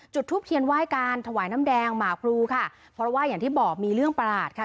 จุดทูปเทียนไหว้การถวายน้ำแดงหมากพลูค่ะเพราะว่าอย่างที่บอกมีเรื่องประหลาดค่ะ